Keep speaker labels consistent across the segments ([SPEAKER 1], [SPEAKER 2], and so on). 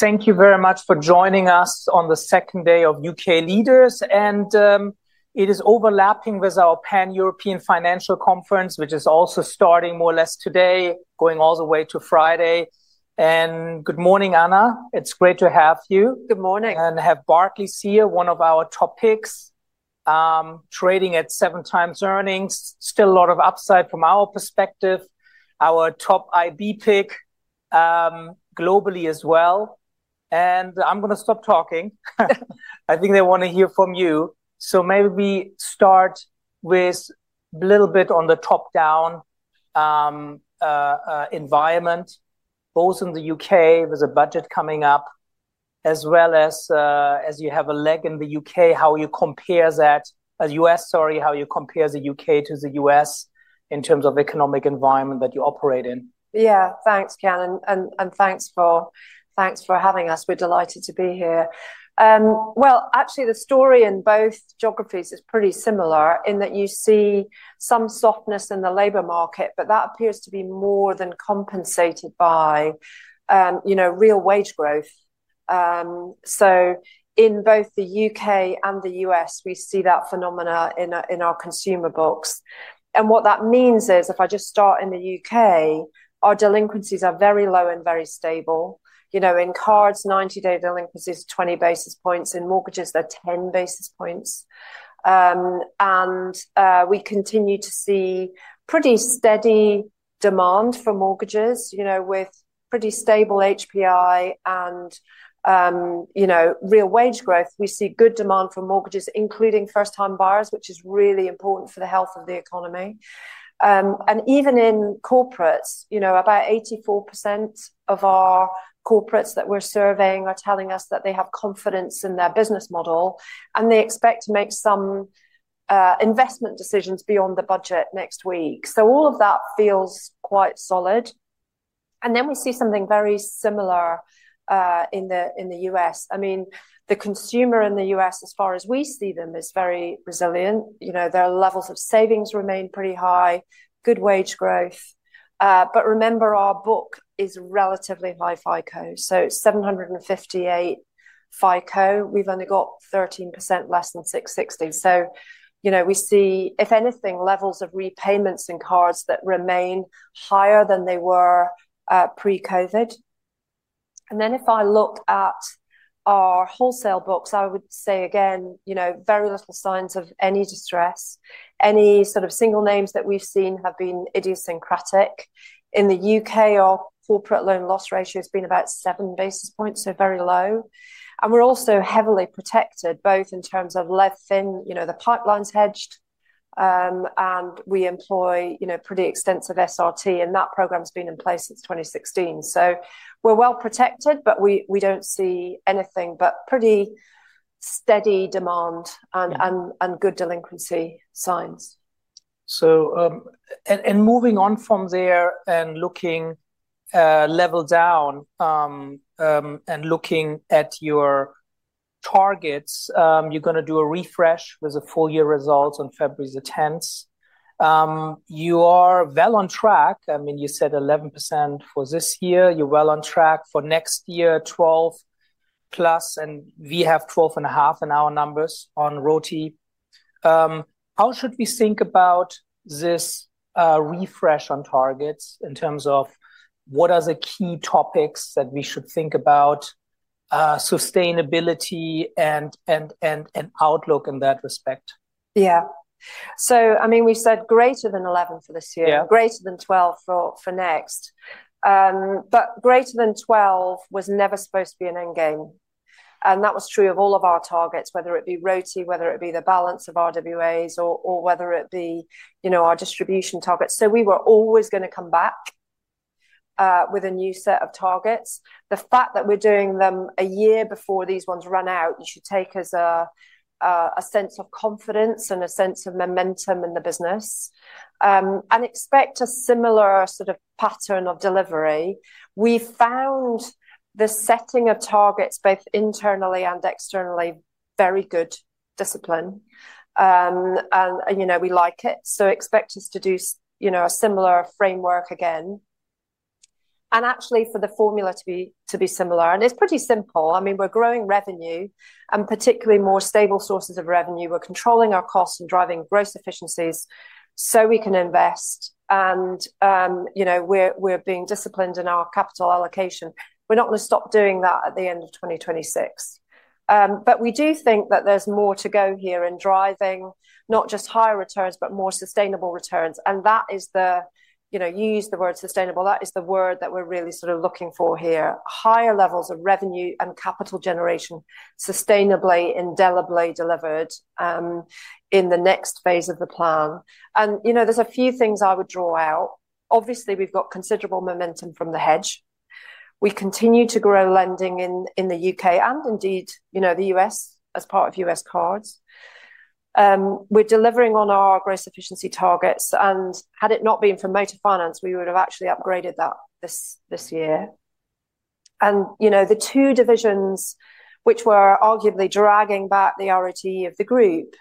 [SPEAKER 1] Thank you very much for joining us on the second day of U.K. Leaders, and it is overlapping with our Pan-European Financial Conference, which is also starting more or less today, going all the way to Friday. Good morning, Anna. It's great to have you.
[SPEAKER 2] Good morning.
[SPEAKER 1] I have Barclays here, one of our top picks, trading at seven times earnings, still a lot of upside from our perspective, our top IB pick globally as well. I am going to stop talking. I think they want to hear from you. Maybe we start with a little bit on the top-down environment, both in the U.K. with a budget coming up, as well as, as you have a leg in the U.K., how you compare that, U.S., sorry, how you compare the U.K. to the U.S. in terms of economic environment that you operate in.
[SPEAKER 2] Yeah, thanks, Kian, and thanks for having us. We're delighted to be here. Actually, the story in both geographies is pretty similar in that you see some softness in the labor market, but that appears to be more than compensated by real wage growth. In both the U.K. and the U.S., we see that phenomena in our consumer books. What that means is, if I just start in the U.K., our delinquencies are very low and very stable. In cards, 90-day delinquencies are 20 basis points. In mortgages, they're 10 basis points. We continue to see pretty steady demand for mortgages with pretty stable HPI and real wage growth. We see good demand for mortgages, including first-time buyers, which is really important for the health of the economy. Even in corporates, about 84% of our corporates that we're surveying are telling us that they have confidence in their business model, and they expect to make some investment decisions beyond the budget next week. All of that feels quite solid. I mean, we see something very similar in the U.S. The consumer in the U.S., as far as we see them, is very resilient. Their levels of savings remain pretty high, good wage growth. Remember, our book is relatively high FICO, so it's 758 FICO. We've only got 13% less than 660. We see, if anything, levels of repayments in cards that remain higher than they were pre-COVID. If I look at our wholesale books, I would say, again, very little signs of any distress. Any sort of single names that we've seen have been idiosyncratic. In the U.K., our corporate loan loss ratio has been about seven basis points, so very low. We are also heavily protected, both in terms of LevFin, the pipeline's hedged, and we employ pretty extensive SRT, and that program has been in place since 2016. We are well protected, but we do not see anything but pretty steady demand and good delinquency signs.
[SPEAKER 1] Moving on from there and looking level down and looking at your targets, you're going to do a refresh with the full year results on February 10th. You are well on track. I mean, you said 11% for this year. You're well on track for next year, 12%+, and we have 12.5% in our numbers on royalty. How should we think about this refresh on targets in terms of what are the key topics that we should think about, sustainability and outlook in that respect?
[SPEAKER 2] Yeah. I mean, we said greater than 11% for this year, greater than 12% for next. Greater than 12% was never supposed to be an end game. That was true of all of our targets, whether it be royalty, whether it be the balance of RWAs, or whether it be our distribution targets. We were always going to come back with a new set of targets. The fact that we're doing them a year before these ones run out, you should take as a sense of confidence and a sense of momentum in the business and expect a similar sort of pattern of delivery. We found the setting of targets, both internally and externally, very good discipline. We like it. Expect us to do a similar framework again, and actually for the formula to be similar. It's pretty simple. I mean, we're growing revenue, and particularly more stable sources of revenue. We're controlling our costs and driving gross efficiencies so we can invest. We're being disciplined in our capital allocation. We're not going to stop doing that at the end of 2026. We do think that there's more to go here in driving not just higher returns, but more sustainable returns. That is the use the word sustainable. That is the word that we're really sort of looking for here, higher levels of revenue and capital generation sustainably, indelibly delivered in the next phase of the plan. There's a few things I would draw out. Obviously, we've got considerable momentum from the hedge. We continue to grow lending in the U.K. and indeed the U.S. as part of U.S. cards. We're delivering on our gross efficiency targets. Had it not been for Motor Finance, we would have actually upgraded that this year. The two divisions, which were arguably dragging back the RoTE of the group,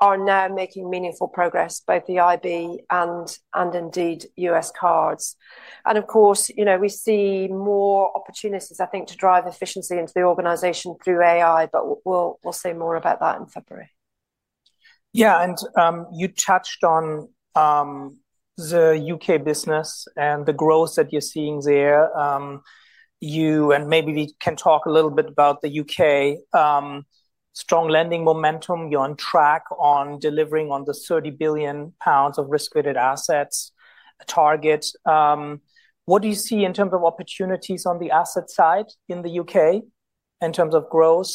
[SPEAKER 2] are now making meaningful progress, both the IB and indeed U.S. cards. Of course, we see more opportunities, I think, to drive efficiency into the organization through AI, but we'll say more about that in February.
[SPEAKER 1] Yeah, and you touched on the U.K. business and the growth that you're seeing there. You and maybe we can talk a little bit about the U.K., strong lending momentum. You're on track on delivering on the 30 billion pounds of risk-weighted assets target. What do you see in terms of opportunities on the asset side in the U.K. in terms of growth?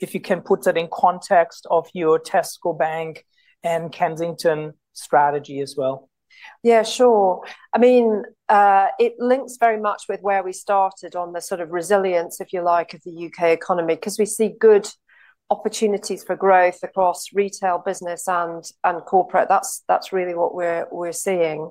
[SPEAKER 1] If you can put that in context of your Tesco Bank and Kensington strategy as well.
[SPEAKER 2] Yeah, sure. I mean, it links very much with where we started on the sort of resilience, if you like, of the U.K. economy because we see good opportunities for growth across retail business and corporate. That is really what we are seeing.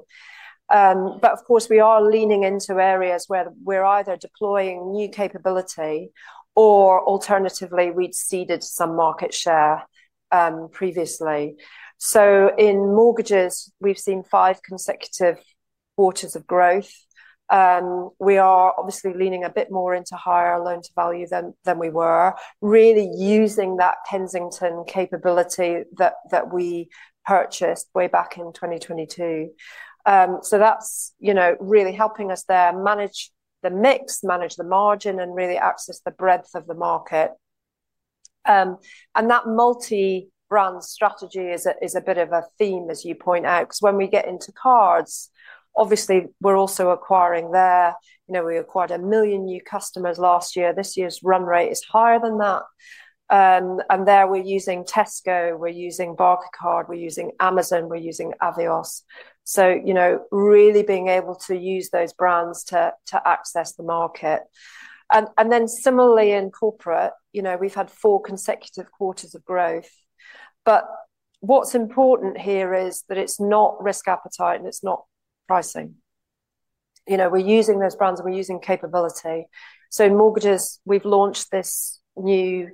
[SPEAKER 2] Of course, we are leaning into areas where we are either deploying new capability or alternatively, we had ceded some market share previously. In mortgages, we have seen five consecutive quarters of growth. We are obviously leaning a bit more into higher loan to value than we were, really using that Kensington capability that we purchased way back in 2022. That is really helping us there manage the mix, manage the margin, and really access the breadth of the market. That multi-brand strategy is a bit of a theme, as you point out, because when we get into cards, obviously, we are also acquiring there. We acquired a million new customers last year. This year's run rate is higher than that. There we're using Tesco, we're using Barclaycard, we're using Amazon, we're using Avios. Really being able to use those brands to access the market. Similarly in corporate, we've had four consecutive quarters of growth. What's important here is that it's not risk appetite and it's not pricing. We're using those brands, we're using capability. In mortgages, we've launched this new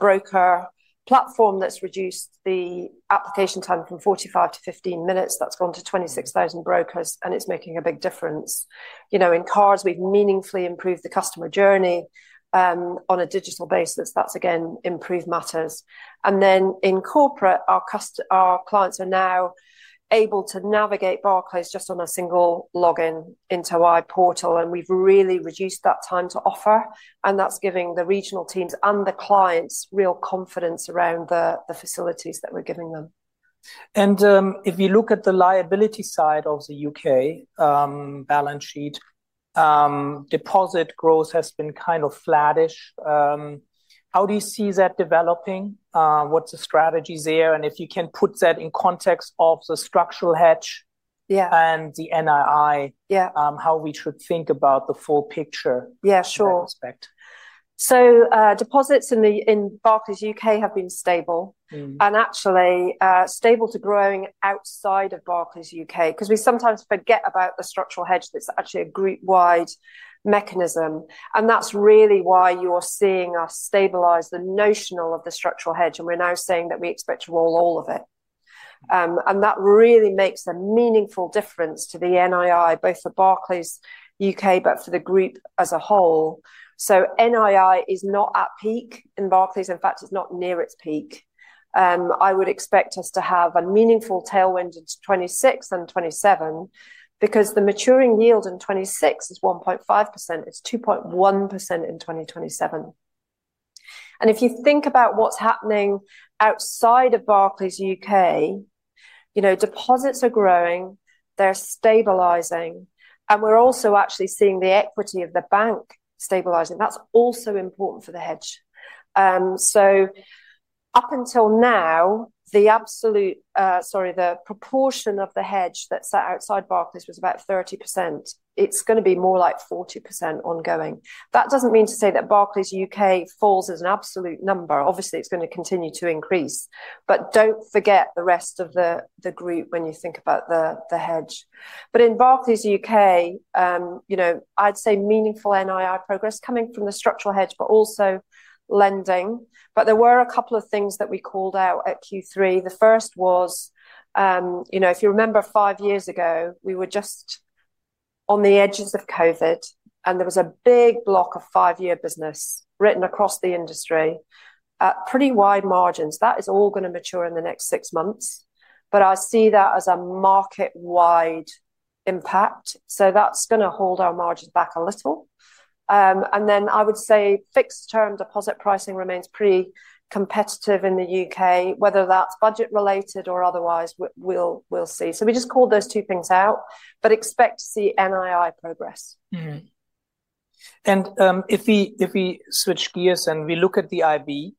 [SPEAKER 2] broker platform that's reduced the application time from 45 minutes-15 minutes. That's gone to 26,000 brokers, and it's making a big difference. In cars, we've meaningfully improved the customer journey on a digital basis. That's, again, improved matters. In corporate, our clients are now able to navigate Barclays just on a single login into our portal, and we've really reduced that time to offer. That is giving the regional teams and the clients real confidence around the facilities that we are giving them.
[SPEAKER 1] If you look at the liability side of the U.K. balance sheet, deposit growth has been kind of flattish. How do you see that developing? What's the strategy there? If you can put that in context of the structural hedge and the NII, how we should think about the full picture in that respect?
[SPEAKER 2] Yeah, sure. Deposits in Barclays U.K. have been stable and actually stable to growing outside of Barclays U.K. because we sometimes forget about the structural hedge. It's actually a group-wide mechanism. That is really why you're seeing us stabilize the notional of the structural hedge. We're now saying that we expect to roll all of it. That really makes a meaningful difference to the NII, both for Barclays U.K. and for the group as a whole. NII is not at peak in Barclays. In fact, it's not near its peak. I would expect us to have a meaningful tailwind in 2026 and 2027 because the maturing yield in 2026 is 1.5%. It's 2.1% in 2027. If you think about what's happening outside of Barclays U.K., deposits are growing, they're stabilizing, and we're also actually seeing the equity of the bank stabilizing. That's also important for the hedge. Up until now, the proportion of the hedge that sat outside Barclays was about 30%. It's going to be more like 40% ongoing. That does not mean to say that Barclays U.K. falls as an absolute number. Obviously, it's going to continue to increase. Do not forget the rest of the group when you think about the hedge. In Barclays U.K., I'd say meaningful NII progress coming from the structural hedge, but also lending. There were a couple of things that we called out at Q3. The first was, if you remember five years ago, we were just on the edges of COVID, and there was a big block of five-year business written across the industry at pretty wide margins. That is all going to mature in the next six months. I see that as a market-wide impact. That's going to hold our margins back a little. I would say fixed-term deposit pricing remains pretty competitive in the U.K., whether that's budget-related or otherwise, we'll see. We just called those two things out, but expect to see NII progress.
[SPEAKER 1] If we switch gears and we look at the IB,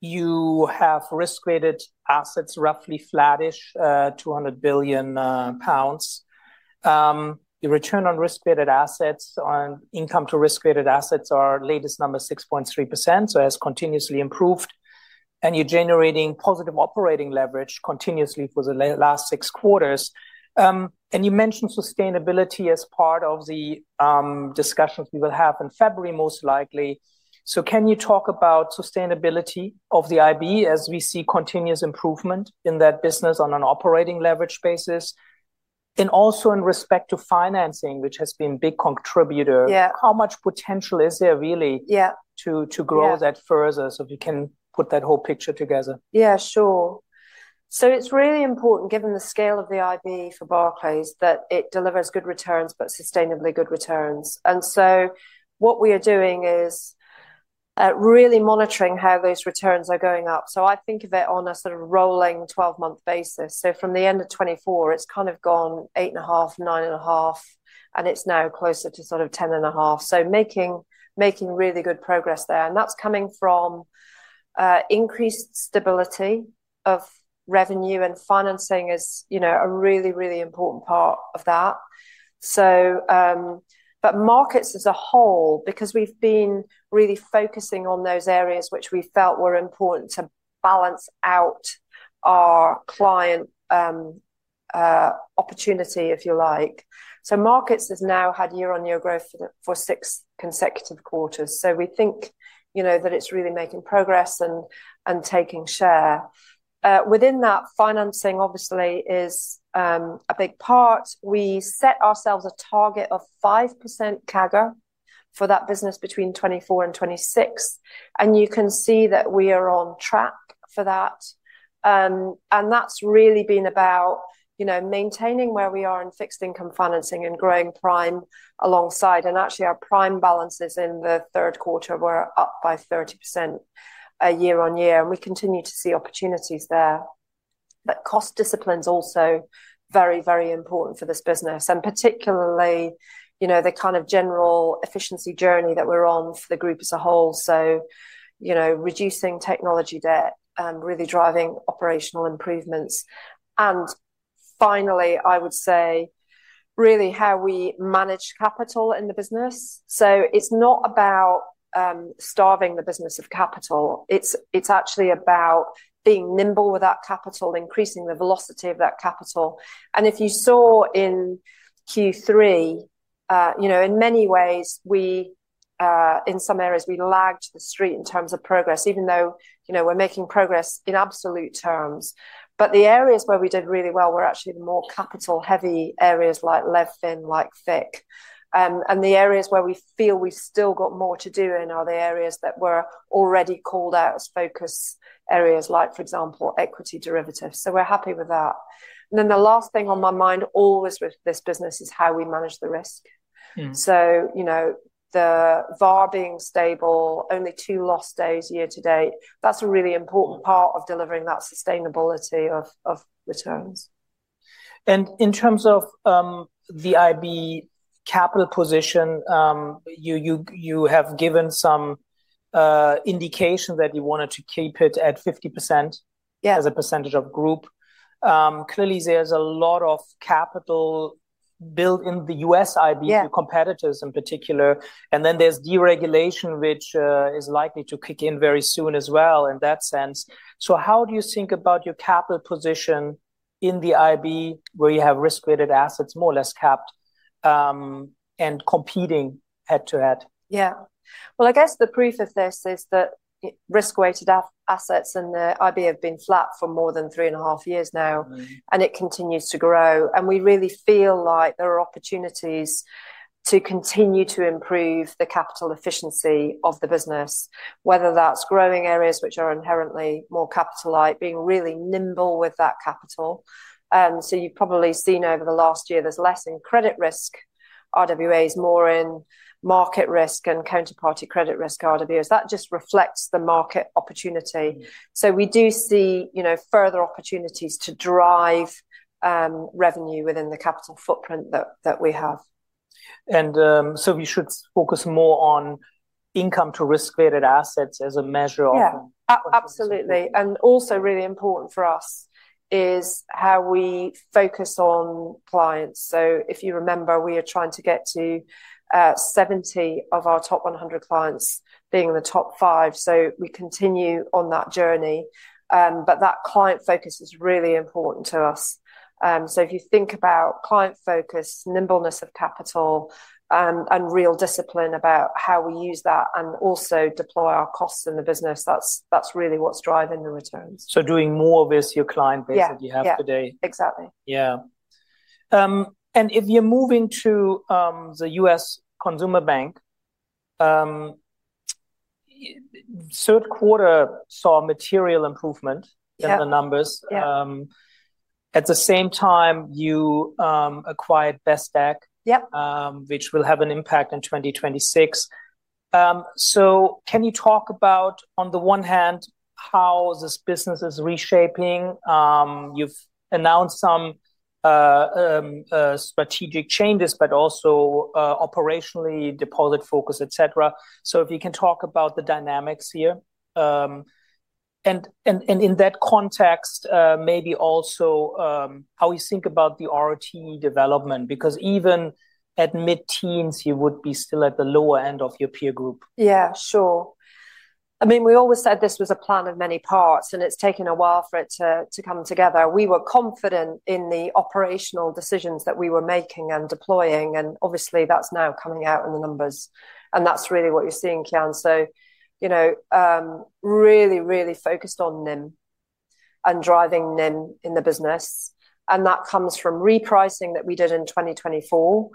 [SPEAKER 1] you have risk-weighted assets roughly flattish, 200 billion pounds. Your return on risk-weighted assets on income to risk-weighted assets are latest number 6.3%, so has continuously improved. You're generating positive operating leverage continuously for the last six quarters. You mentioned sustainability as part of the discussions we will have in February, most likely. Can you talk about sustainability of the IB as we see continuous improvement in that business on an operating leverage basis? Also in respect to financing, which has been a big contributor, how much potential is there really to grow that further so we can put that whole picture together?
[SPEAKER 2] Yeah, sure. It is really important, given the scale of the IB for Barclays, that it delivers good returns, but sustainably good returns. What we are doing is really monitoring how those returns are going up. I think of it on a sort of rolling 12-month basis. From the end of 2024, it has kind of gone 8.5%, 9.5%, and it is now closer to 10.5%. Making really good progress there. That is coming from increased stability of revenue, and financing is a really, really important part of that. Markets as a whole, because we have been really focusing on those areas which we felt were important to balance out our client opportunity, if you like. Markets have now had year-on-year growth for six consecutive quarters. We think that it is really making progress and taking share. Within that, financing, obviously, is a big part. We set ourselves a target of 5% CAGR for that business between 2024 and 2026. You can see that we are on track for that. That has really been about maintaining where we are in fixed-income financing and growing prime alongside. Actually, our prime balances in the third quarter were up by 30% year-on-year. We continue to see opportunities there. Cost discipline is also very, very important for this business, particularly the kind of general efficiency journey that we are on for the group as a whole. Reducing technology debt, really driving operational improvements. Finally, I would say really how we manage capital in the business. It is not about starving the business of capital. It is actually about being nimble with that capital, increasing the velocity of that capital. If you saw in Q3, in many ways, in some areas, we lagged the street in terms of progress, even though we're making progress in absolute terms. The areas where we did really well were actually the more capital-heavy areas like LevFin, like FICC. The areas where we feel we've still got more to do in are the areas that were already called out as focus areas, like, for example, equity derivatives. We're happy with that. The last thing on my mind always with this business is how we manage the risk. The VaR being stable, only two loss days year to date, that's a really important part of delivering that sustainability of returns.
[SPEAKER 1] In terms of the IB capital position, you have given some indication that you wanted to keep it at 50% as a percentage of group. Clearly, there is a lot of capital built in the U.S. IB, your competitors in particular. There is deregulation, which is likely to kick in very soon as well in that sense. How do you think about your capital position in the IB where you have risk-weighted assets, more or less capped, and competing head-to-head?
[SPEAKER 2] Yeah. I guess the proof of this is that risk-weighted assets in the IB have been flat for more than three and a half years now, and it continues to grow. We really feel like there are opportunities to continue to improve the capital efficiency of the business, whether that's growing areas which are inherently more capital-like, being really nimble with that capital. You've probably seen over the last year there's less in credit risk, RWAs, more in market risk, and counterparty credit risk, RWAs. That just reflects the market opportunity. We do see further opportunities to drive revenue within the capital footprint that we have.
[SPEAKER 1] We should focus more on income to risk-weighted assets as a measure of.
[SPEAKER 2] Yeah, absolutely. Also really important for us is how we focus on clients. If you remember, we are trying to get to 70 of our top 100 clients being in the top five. We continue on that journey. That client focus is really important to us. If you think about client focus, nimbleness of capital, and real discipline about how we use that and also deploy our costs in the business, that is really what is driving the returns.
[SPEAKER 1] Doing more with your client base that you have today.
[SPEAKER 2] Yeah, exactly.
[SPEAKER 1] Yeah. If you're moving to the U.S. Consumer Bank, third quarter saw material improvement in the numbers. At the same time, you acquired Best Egg, which will have an impact in 2026. Can you talk about, on the one hand, how this business is reshaping? You've announced some strategic changes, but also operationally, deposit focus, etc. If you can talk about the dynamics here. In that context, maybe also how you think about the RoTE development, because even at mid-teens, you would be still at the lower end of your peer group.
[SPEAKER 2] Yeah, sure. I mean, we always said this was a plan of many parts, and it's taken a while for it to come together. We were confident in the operational decisions that we were making and deploying. Obviously, that's now coming out in the numbers. That's really what you're seeing, Kian. Really, really focused on NIM and driving NIM in the business. That comes from repricing that we did in 2024.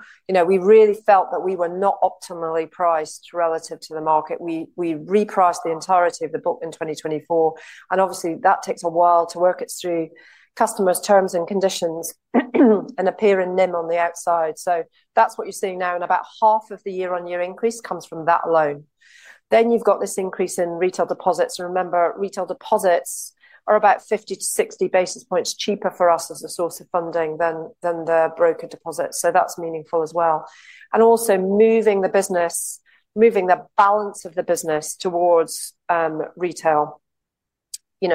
[SPEAKER 2] We really felt that we were not optimally priced relative to the market. We repriced the entirety of the book in 2024. Obviously, that takes a while to work it through customers' terms and conditions and appear in NIM on the outside. That's what you're seeing now. About half of the year-on-year increase comes from that alone. Then you've got this increase in retail deposits. Remember, retail deposits are about 50 basis points-60 basis points cheaper for us as a source of funding than the broker deposits. That is meaningful as well. Also, moving the business, moving the balance of the business towards retail,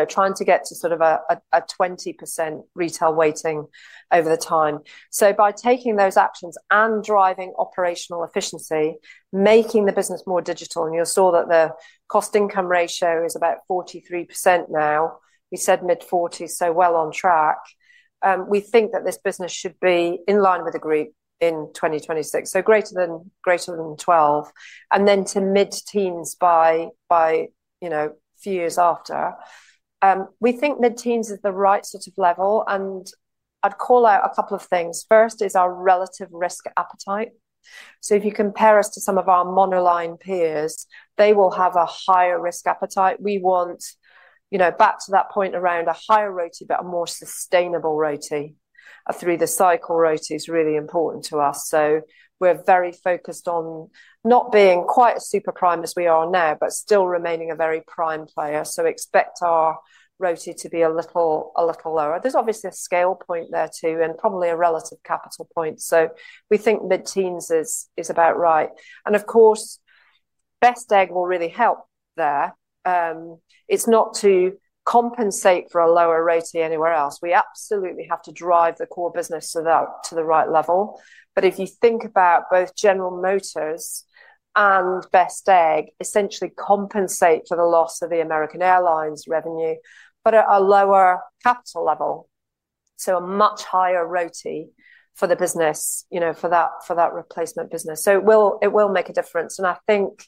[SPEAKER 2] trying to get to sort of a 20% retail weighting over time. By taking those actions and driving operational efficiency, making the business more digital. You saw that the cost-income ratio is about 43% now. We said mid-40s, so well on track. We think that this business should be in line with the group in 2026, so greater than 12%, and then to mid-teens by a few years after. We think mid-teens is the right sort of level. I would call out a couple of things. First is our relative risk appetite. If you compare us to some of our monoline peers, they will have a higher risk appetite. We want back to that point around a higher RoTE, but a more sustainable RoTE through the cycle. RoTE is really important to us. We're very focused on not being quite as super prime as we are now, but still remaining a very prime player. Expect our RoTE to be a little lower. There's obviously a scale point there too, and probably a relative capital point. We think mid-teens is about right. Of course, Best Egg will really help there. It's not to compensate for a lower RoTE anywhere else. We absolutely have to drive the core business to the right level. If you think about both General Motors and Best Egg, they essentially compensate for the loss of the American Airlines revenue, but at a lower capital level. A much higher RoTE for the business, for that replacement business. It will make a difference. I think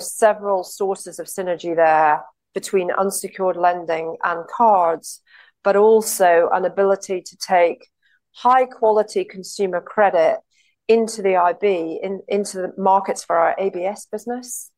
[SPEAKER 2] several sources of synergy there between unsecured lending and cards, but also an ability to take high-quality consumer credit into the IB, into the markets for our ABS business.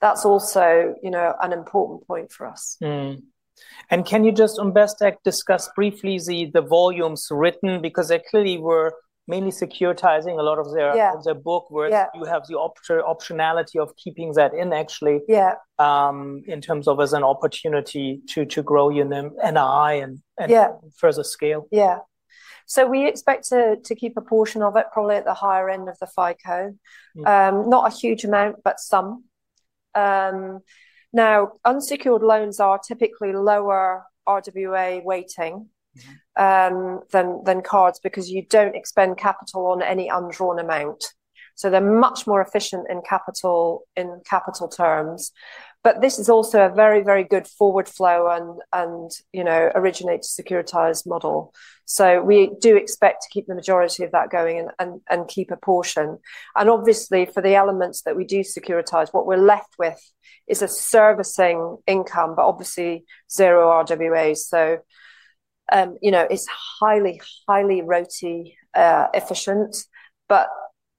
[SPEAKER 2] That's also an important point for us.
[SPEAKER 1] Can you just on Best Egg discuss briefly the volumes written? Because they clearly were mainly securitizing a lot of their book work. You have the optionality of keeping that in, actually, in terms of as an opportunity to grow your NII and further scale.
[SPEAKER 2] Yeah. We expect to keep a portion of it, probably at the higher end of the FICO. Not a huge amount, but some. Now, unsecured loans are typically lower RWA weighting than cards because you do not expend capital on any undrawn amount. They are much more efficient in capital terms. This is also a very, very good forward flow and originates a securitized model. We do expect to keep the majority of that going and keep a portion. Obviously, for the elements that we do securitize, what we are left with is a servicing income, but obviously zero RWAs. It is highly, highly RoTE efficient.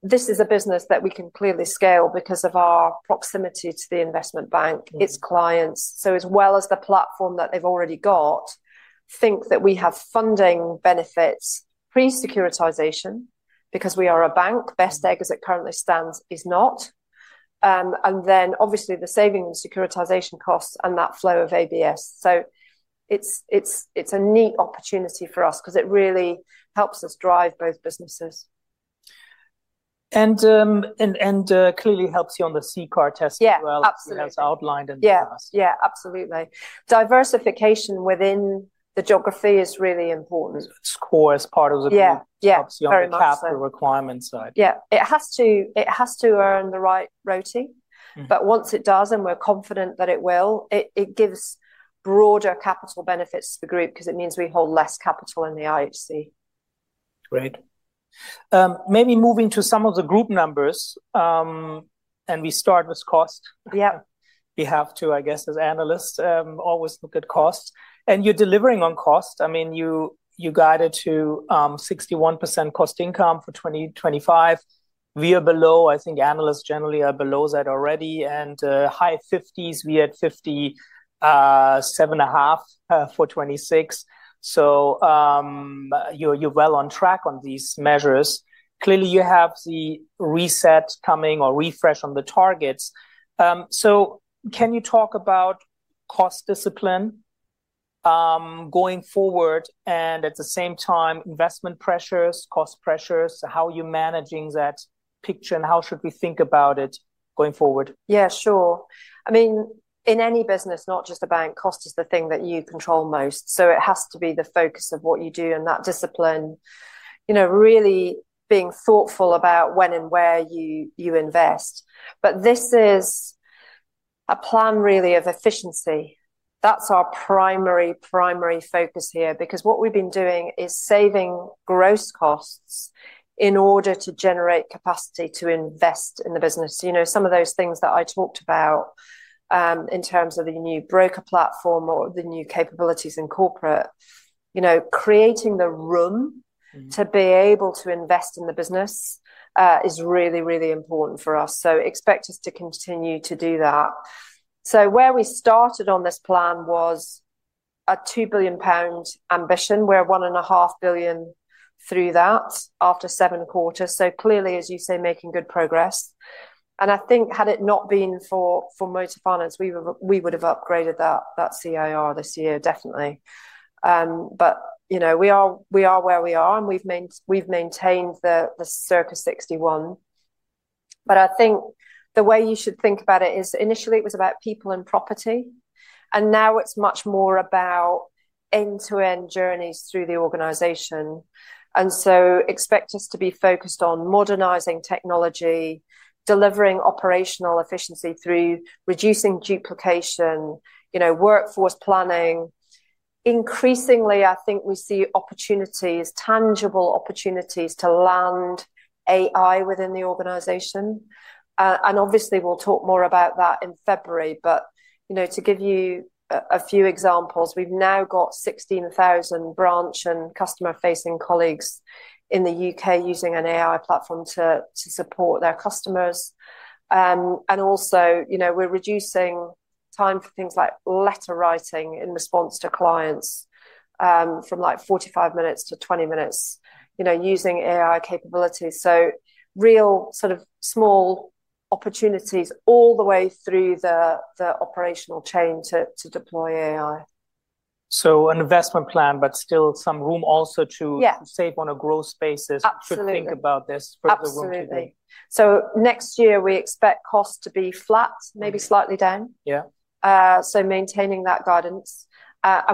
[SPEAKER 2] This is a business that we can clearly scale because of our proximity to the investment bank, its clients. As well as the platform that they have already got, think that we have funding benefits pre-securitization because we are a bank. Best Egg, as it currently stands, is not. Obviously, the saving securitization costs and that flow of ABS. It is a neat opportunity for us because it really helps us drive both businesses.
[SPEAKER 1] It clearly helps you on the CCAR test as well, as outlined in the past.
[SPEAKER 2] Yeah, absolutely. Diversification within the geography is really important.
[SPEAKER 1] Score as part of the capital requirement side.
[SPEAKER 2] Yeah, it has to earn the right RoTE. Once it does and we're confident that it will, it gives broader capital benefits to the group because it means we hold less capital in the IHC.
[SPEAKER 1] Great. Maybe moving to some of the group numbers. We start with cost. We have to, I guess, as analysts, always look at cost. You're delivering on cost. I mean, you guided to 61% cost income for 2025. We are below. I think analysts generally are below that already. High 50s, we had 57.5% for 2026. You're well on track on these measures. Clearly, you have the reset coming or refresh on the targets. Can you talk about cost discipline going forward and at the same time, investment pressures, cost pressures, how you're managing that picture and how should we think about it going forward?
[SPEAKER 2] Yeah, sure. I mean, in any business, not just a bank, cost is the thing that you control most. It has to be the focus of what you do and that discipline, really being thoughtful about when and where you invest. This is a plan really of efficiency. That is our primary, primary focus here because what we have been doing is saving gross costs in order to generate capacity to invest in the business. Some of those things that I talked about in terms of the new broker platform or the new capabilities in corporate, creating the room to be able to invest in the business is really, really important for us. Expect us to continue to do that. Where we started on this plan was a 2 billion pound ambition. We are at 1.5 billion through that after seven quarters. Clearly, as you say, making good progress. I think had it not been Motor Finance, we would have upgraded that CIR this year, definitely. We are where we are, and we've maintained the circa 61%. I think the way you should think about it is initially it was about people and property. Now it's much more about end-to-end journeys through the organization. Expect us to be focused on modernizing technology, delivering operational efficiency through reducing duplication, workforce planning. Increasingly, I think we see opportunities, tangible opportunities to land AI within the organization. Obviously, we'll talk more about that in February. To give you a few examples, we've now got 16,000 branch and customer-facing colleagues in the U.K. using an AI platform to support their customers. We're reducing time for things like letter writing in response to clients from like 45 minutes-20 minutes using AI capabilities. Real sort of small opportunities all the way through the operational chain to deploy AI.
[SPEAKER 1] An investment plan, but still some room also to save on a growth basis to think about this further room to be.
[SPEAKER 2] Absolutely. Next year, we expect cost to be flat, maybe slightly down. Yeah, maintaining that guidance.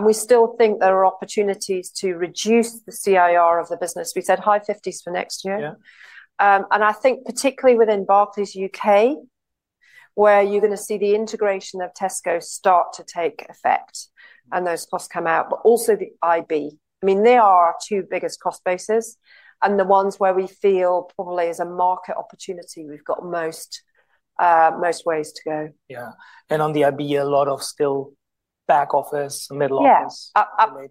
[SPEAKER 2] We still think there are opportunities to reduce the CIR of the business. We said high 50s for next year. I think particularly within Barclays U.K., where you're going to see the integration of Tesco start to take effect and those costs come out, but also the IB. I mean, they are our two biggest cost bases. The ones where we feel probably is a market opportunity, we've got most ways to go.
[SPEAKER 1] Yeah. On the IB, a lot of still back office, middle office.
[SPEAKER 2] Yeah,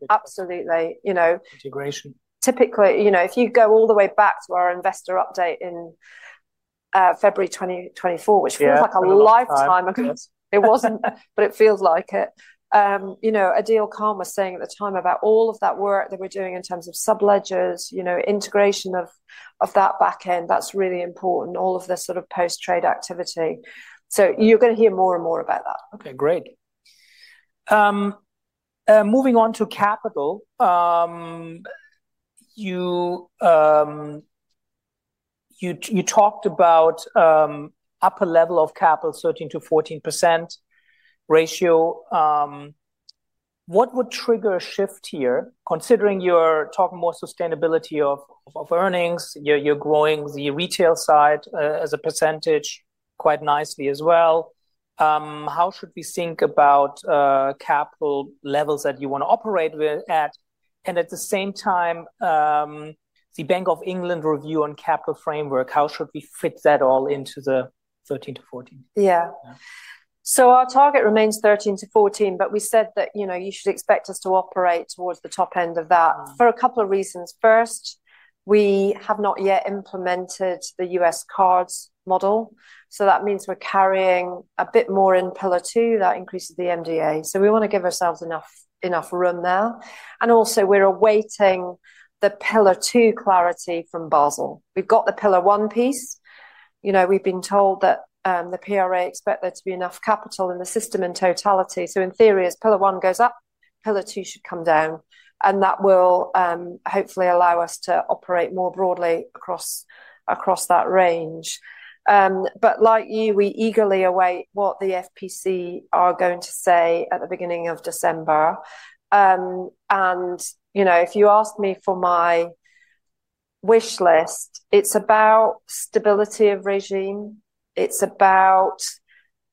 [SPEAKER 2] absolutely.
[SPEAKER 1] Integration.
[SPEAKER 2] Typically, if you go all the way back to our investor update in February 2024, which feels like a lifetime ago, it wasn't, but it feels like it. Adeel Khan was saying at the time about all of that work that we're doing in terms of subledgers, integration of that back end, that's really important, all of the sort of post-trade activity. You are going to hear more and more about that.
[SPEAKER 1] Okay, great. Moving on to capital, you talked about upper level of capital, 13%-14% ratio. What would trigger a shift here? Considering you're talking more sustainability of earnings, you're growing the retail side as a percentage quite nicely as well. How should we think about capital levels that you want to operate with at? At the same time, the Bank of England review on capital framework, how should we fit that all into the 13%-14%?
[SPEAKER 2] Yeah. Our target remains 13%-14%, but we said that you should expect us to operate towards the top end of that for a couple of reasons. First, we have not yet implemented the U.S. cards model. That means we're carrying a bit more in pillar two. That increases the MDA. We want to give ourselves enough room there. Also, we're awaiting the pillar two clarity from Basel. We've got the pillar one piece. We've been told that the PRA expect there to be enough capital in the system in totality. In theory, as pillar one goes up, pillar two should come down. That will hopefully allow us to operate more broadly across that range. Like you, we eagerly await what the FPC are going to say at the beginning of December. If you ask me for my wish list, it is about stability of regime. It is about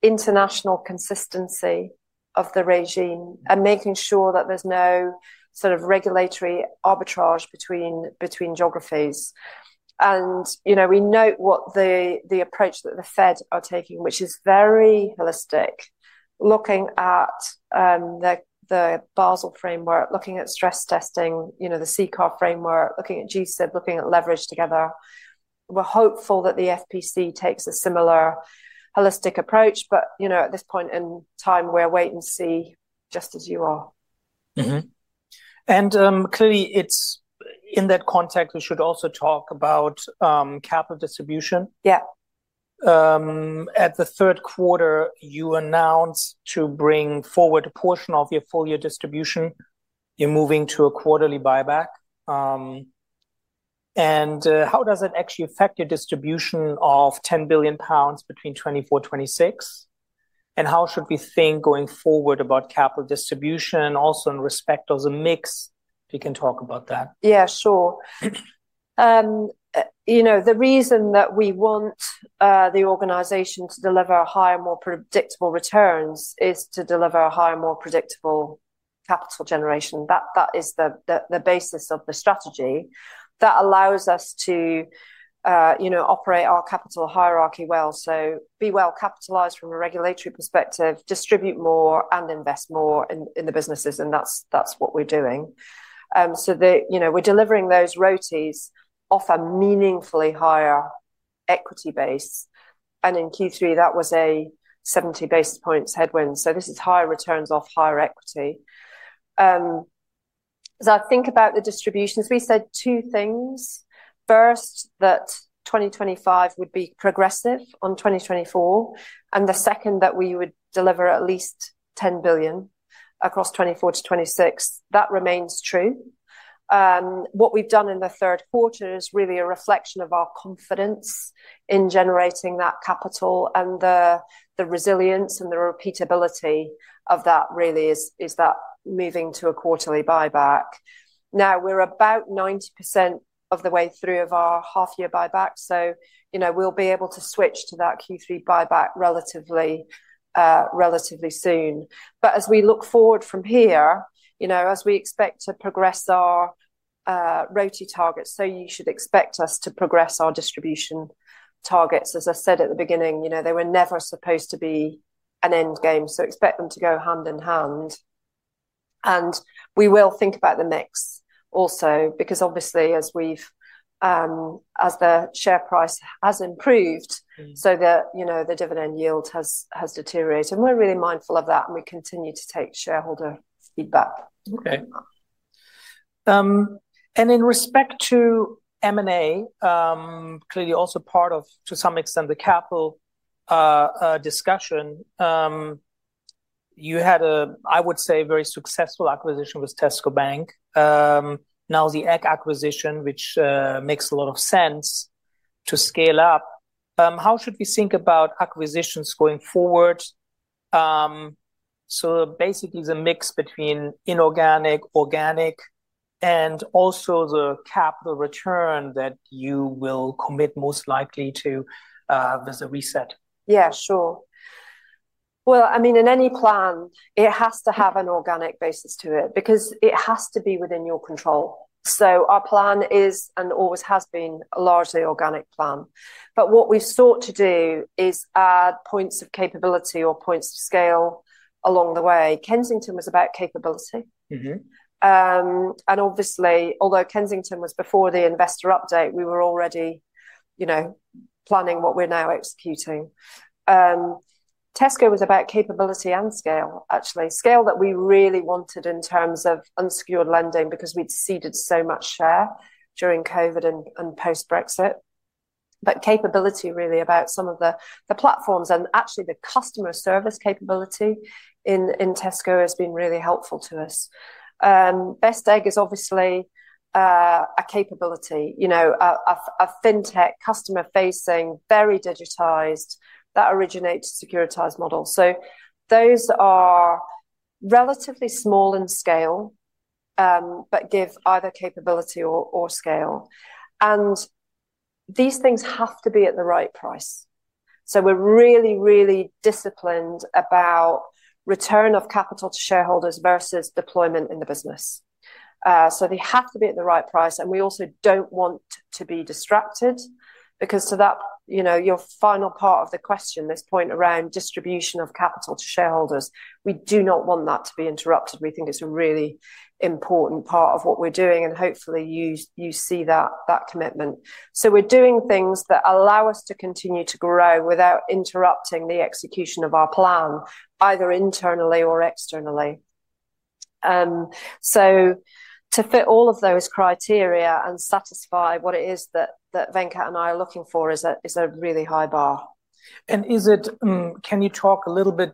[SPEAKER 2] international consistency of the regime and making sure that there is no sort of regulatory arbitrage between geographies. We note what the approach that the Fed are taking, which is very holistic, looking at the Basel framework, looking at stress testing, the CCAR framework, looking at G-SIB, looking at leverage together. We are hopeful that the FPC takes a similar holistic approach, but at this point in time, we are wait and see, just as you are.
[SPEAKER 1] Clearly, in that context, we should also talk about capital distribution.
[SPEAKER 2] Yeah.
[SPEAKER 1] At the third quarter, you announced to bring forward a portion of your full year distribution. You are moving to a quarterly buyback. How does it actually affect your distribution of 10 billion pounds between 2024-2026? How should we think going forward about capital distribution, also in respect of the mix? If you can talk about that.
[SPEAKER 2] Yeah, sure. The reason that we want the organization to deliver higher, more predictable returns is to deliver a higher, more predictable capital generation. That is the basis of the strategy that allows us to operate our capital hierarchy well. Be well capitalized from a regulatory perspective, distribute more and invest more in the businesses. That is what we are doing. We are delivering those RoTE figures off a meaningfully higher equity base. In Q3, that was a 70 basis points headwind. This is higher returns off higher equity. As I think about the distributions, we said two things. First, that 2025 would be progressive on 2024. The second, that we would deliver at least 10 billion across 2024 to 2026. That remains true. What we've done in the third quarter is really a reflection of our confidence in generating that capital and the resilience and the repeatability of that really is that moving to a quarterly buyback. Now, we're about 90% of the way through our half-year buyback. We'll be able to switch to that Q3 buyback relatively soon. As we look forward from here, as we expect to progress our RoTE targets, you should expect us to progress our distribution targets. As I said at the beginning, they were never supposed to be an end game. Expect them to go hand in hand. We will think about the mix also because obviously, as the share price has improved, the dividend yield has deteriorated. We're really mindful of that, and we continue to take shareholder feedback.
[SPEAKER 1] Okay. In respect to M&A, clearly also part of, to some extent, the capital discussion, you had a, I would say, very successful acquisition with Tesco Bank, now the Eck acquisition, which makes a lot of sense to scale up. How should we think about acquisitions going forward? Basically, the mix between inorganic, organic, and also the capital return that you will commit most likely to there's a reset.
[SPEAKER 2] Yeah, sure. I mean, in any plan, it has to have an organic basis to it because it has to be within your control. Our plan is and always has been a largely organic plan. What we've sought to do is add points of capability or points of scale along the way. Kensington was about capability. Obviously, although Kensington was before the investor update, we were already planning what we're now executing. Tesco was about capability and scale, actually. Scale that we really wanted in terms of unsecured lending because we'd ceded so much share during COVID and post-Brexit. Capability really about some of the platforms and actually the customer service capability in Tesco has been really helpful to us. Best Egg is obviously a capability, a fintech customer-facing, very digitized, that originates a securitized model. Those are relatively small in scale, but give either capability or scale. These things have to be at the right price. We are really, really disciplined about return of capital to shareholders versus deployment in the business. They have to be at the right price. We also do not want to be distracted because to that, your final part of the question, this point around distribution of capital to shareholders, we do not want that to be interrupted. We think it is a really important part of what we are doing. Hopefully, you see that commitment. We are doing things that allow us to continue to grow without interrupting the execution of our plan, either internally or externally. To fit all of those criteria and satisfy what it is that Venkat and I are looking for is a really high bar.
[SPEAKER 1] Can you talk a little bit,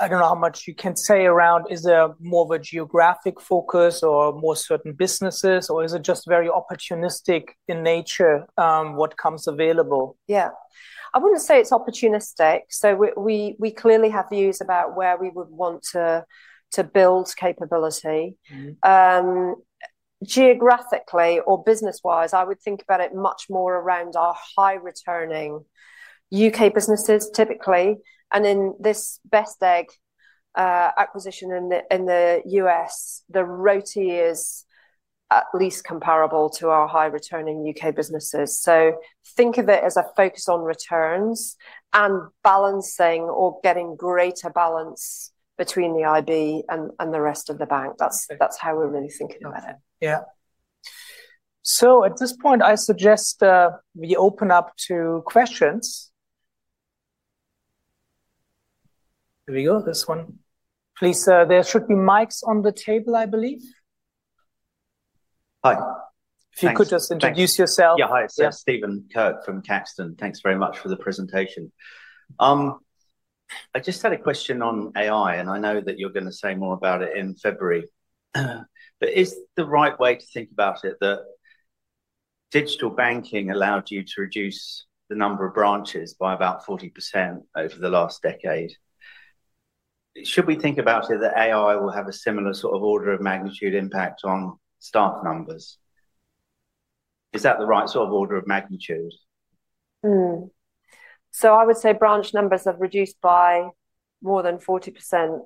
[SPEAKER 1] I don't know how much you can say around, is there more of a geographic focus or more certain businesses, or is it just very opportunistic in nature what comes available?
[SPEAKER 2] Yeah. I wouldn't say it's opportunistic. We clearly have views about where we would want to build capability. Geographically or business-wise, I would think about it much more around our high-returning U.K. businesses, typically. In this Best Egg acquisition in the U.S., the RoTE is at least comparable to our high-returning U.K. businesses. Think of it as a focus on returns and balancing or getting greater balance between the IB and the rest of the bank. That's how we're really thinking about it.
[SPEAKER 1] Yeah. At this point, I suggest we open up to questions. Here we go. This one. Please, there should be mics on the table, I believe.
[SPEAKER 3] Hi.
[SPEAKER 1] If you could just introduce yourself.
[SPEAKER 3] Yeah, hi. So I'm Stephen Kirk from Caxton. Thanks very much for the presentation. I just had a question on AI, and I know that you're going to say more about it in February. Is the right way to think about it that digital banking allowed you to reduce the number of branches by about 40% over the last decade? Should we think about it that AI will have a similar sort of order of magnitude impact on staff numbers? Is that the right sort of order of magnitude?
[SPEAKER 2] I would say branch numbers have reduced by more than 40%.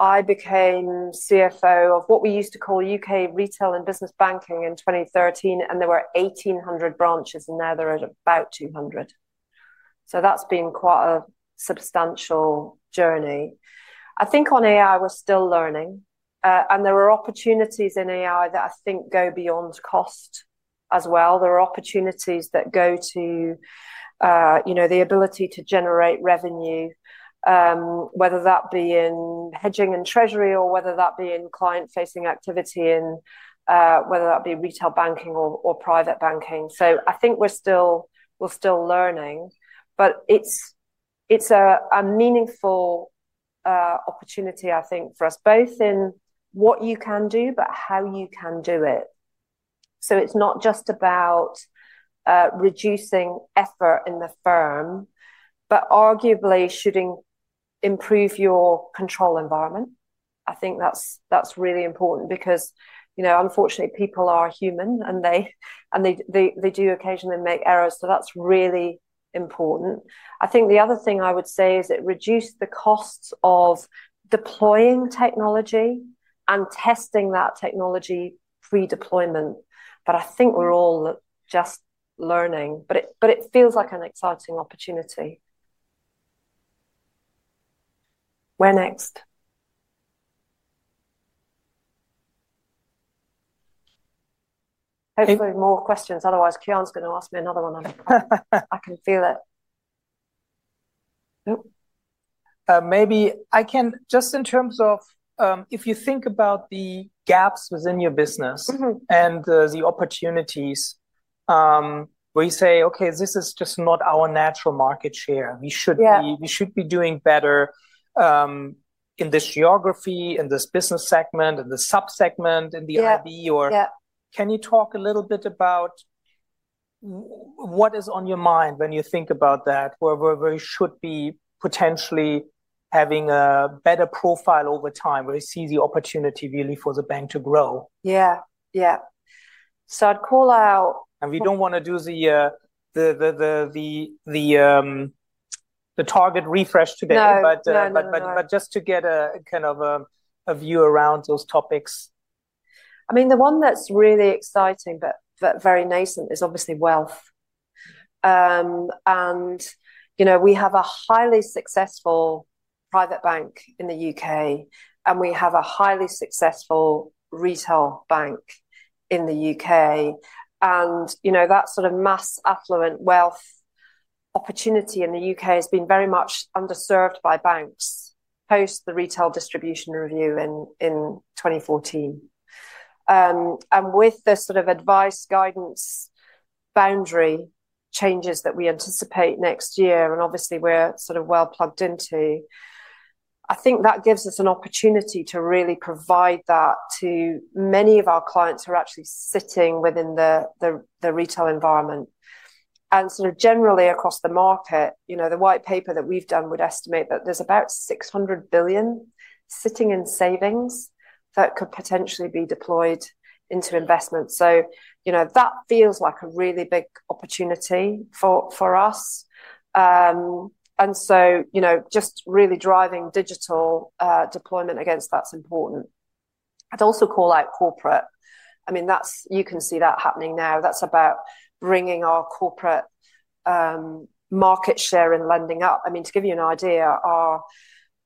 [SPEAKER 2] I became CFO of what we used to call U.K. retail and business banking in 2013, and there were 1,800 branches, and now there are about 200. That has been quite a substantial journey. I think on AI, we're still learning. There are opportunities in AI that I think go beyond cost as well. There are opportunities that go to the ability to generate revenue, whether that be in hedging and treasury or whether that be in client-facing activity in whether that be retail banking or private banking. I think we're still learning, but it's a meaningful opportunity, I think, for us, both in what you can do, but how you can do it. It's not just about reducing effort in the firm, but arguably should improve your control environment. I think that's really important because, unfortunately, people are human, and they do occasionally make errors. That's really important. I think the other thing I would say is it reduced the costs of deploying technology and testing that technology pre-deployment. I think we're all just learning, but it feels like an exciting opportunity. Where next? Hopefully, more questions. Otherwise, Kian's going to ask me another one. I can feel it.
[SPEAKER 1] Maybe I can just in terms of if you think about the gaps within your business and the opportunities, we say, "Okay, this is just not our natural market share. We should be doing better in this geography, in this business segment, in the subsegment, in the IB," or can you talk a little bit about what is on your mind when you think about that, where we should be potentially having a better profile over time, where you see the opportunity really for the bank to grow?
[SPEAKER 2] Yeah, yeah. I'd call out.
[SPEAKER 1] We do not want to do the target refresh together, but just to get a kind of a view around those topics.
[SPEAKER 2] I mean, the one that's really exciting but very nascent is obviously wealth. We have a highly successful private bank in the U.K., and we have a highly successful retail bank in the U.K. That sort of mass affluent wealth opportunity in the U.K. has been very much underserved by banks post the retail distribution review in 2014. With the sort of advice guidance boundary changes that we anticipate next year, and obviously, we're sort of well plugged into, I think that gives us an opportunity to really provide that to many of our clients who are actually sitting within the retail environment. Generally across the market, the white paper that we've done would estimate that there's about 600 billion sitting in savings that could potentially be deployed into investments. That feels like a really big opportunity for us. Just really driving digital deployment against that's important. I'd also call out corporate. I mean, you can see that happening now. That's about bringing our corporate market share in lending up. I mean, to give you an idea, our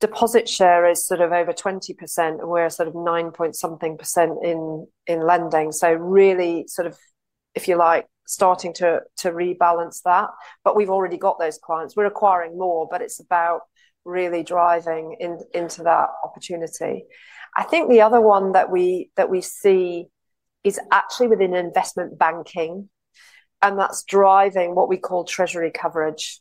[SPEAKER 2] deposit share is sort of over 20%, and we're sort of nine point something percent in lending. Really sort of, if you like, starting to rebalance that. We've already got those clients. We're acquiring more, but it's about really driving into that opportunity. I think the other one that we see is actually within investment banking, and that's driving what we call treasury coverage.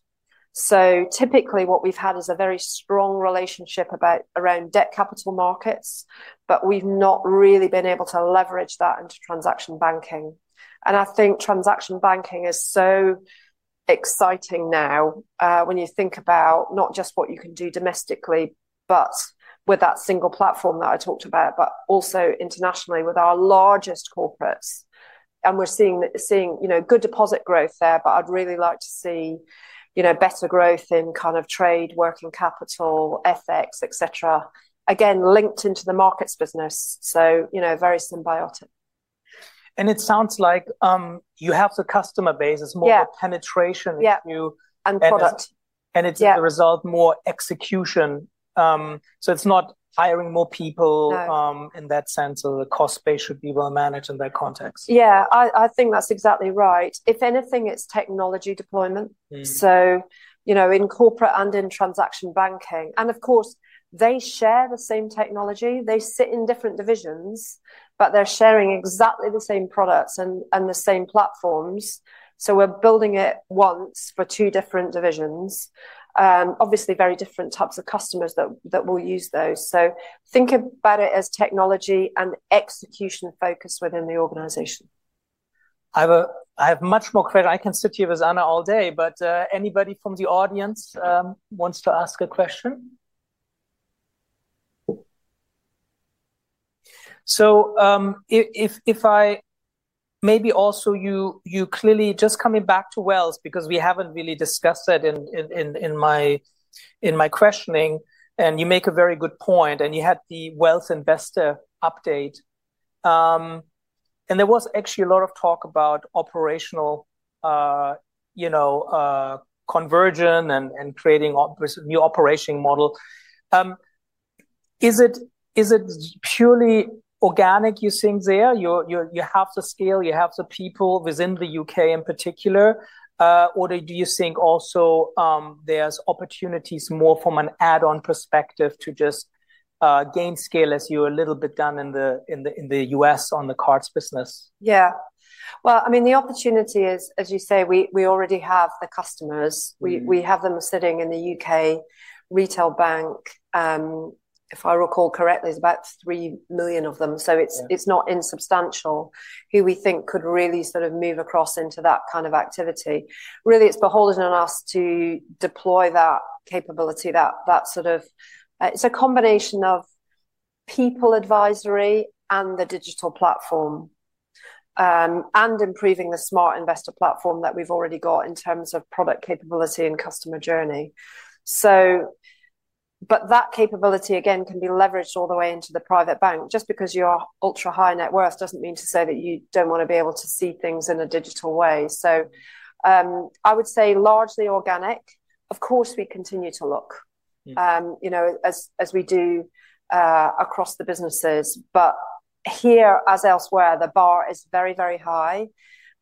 [SPEAKER 2] Typically, what we've had is a very strong relationship around debt capital markets, but we've not really been able to leverage that into transaction banking. I think transaction banking is so exciting now when you think about not just what you can do domestically, but with that single platform that I talked about, but also internationally with our largest corporates. We're seeing good deposit growth there, but I'd really like to see better growth in kind of trade, working capital, FX, etc., again, linked into the markets business. Very symbiotic.
[SPEAKER 1] It sounds like you have the customer base, it's more the penetration into.
[SPEAKER 2] Yeah, and product.
[SPEAKER 1] It is the result, more execution. It is not hiring more people in that sense, or the cost base should be well managed in that context.
[SPEAKER 2] Yeah, I think that's exactly right. If anything, it's technology deployment. In corporate and in transaction banking. Of course, they share the same technology. They sit in different divisions, but they're sharing exactly the same products and the same platforms. We're building it once for two different divisions, obviously very different types of customers that will use those. Think about it as technology and execution focus within the organization.
[SPEAKER 1] I have much more questions. I can sit here with Anna all day, but anybody from the audience wants to ask a question? If I maybe also, you clearly just coming back to wealth because we have not really discussed that in my questioning, and you make a very good point, and you had the wealth investor update. There was actually a lot of talk about operational conversion and creating a new operating model. Is it purely organic, you think, there? You have the scale, you have the people within the U.K. in particular, or do you think also there are opportunities more from an add-on perspective to just gain scale as you have a little bit done in the U.S. on the cards business?
[SPEAKER 2] Yeah. I mean, the opportunity is, as you say, we already have the customers. We have them sitting in the U.K. retail bank. If I recall correctly, it's about 3 million of them. It is not insubstantial who we think could really sort of move across into that kind of activity. Really, it's beholden on us to deploy that capability, that sort of it's a combination of people advisory and the digital platform and improving the Smart Investor platform that we've already got in terms of product capability and customer journey. That capability, again, can be leveraged all the way into the private bank. Just because you are ultra high net worth doesn't mean to say that you don't want to be able to see things in a digital way. I would say largely organic. Of course, we continue to look as we do across the businesses, but here, as elsewhere, the bar is very, very high.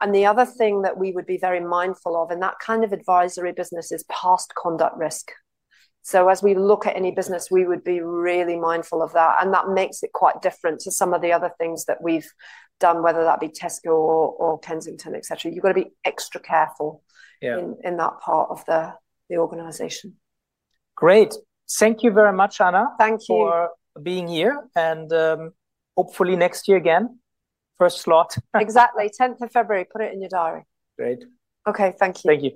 [SPEAKER 2] The other thing that we would be very mindful of in that kind of advisory business is past conduct risk. As we look at any business, we would be really mindful of that. That makes it quite different to some of the other things that we've done, whether that be Tesco or Kensington, etc. You've got to be extra careful in that part of the organization.
[SPEAKER 1] Great. Thank you very much, Anna, for being here. Hopefully, next year again, first slot.
[SPEAKER 2] Exactly. 10th of February. Put it in your diary.
[SPEAKER 1] Great.
[SPEAKER 2] Okay. Thank you.
[SPEAKER 1] Thank you.